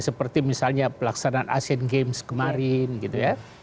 seperti misalnya pelaksanaan asian games kemarin gitu ya